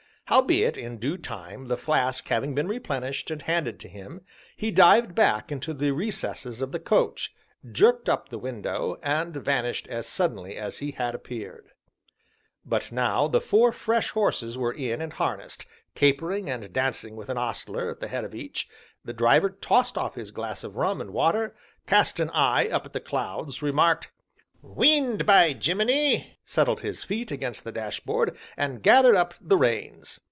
Howbeit, in due time, the flask having been replenished and handed to him, he dived back into the recesses of the coach, jerked up the window, and vanished as suddenly as he had appeared. But now the four fresh horses were in and harnessed, capering and dancing with an ostler at the head of each; the Driver tossed off his glass of rum and water, cast an eye up at the clouds, remarked: "Wind, by Gemini!" settled his feet against the dashboard, and gathered up the reins.